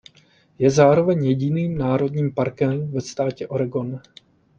Je zároveň jediným národním parkem ve státě Oregon.